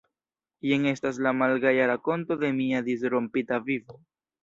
Jen estas la malgaja rakonto de mia disrompita vivo.